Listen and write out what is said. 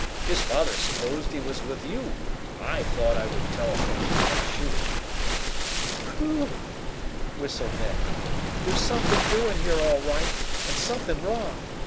His father supposed he was with you. I thought I would telephone to make sure." "Whew!" whistled Ned. "There's something doing here, all right, and something wrong!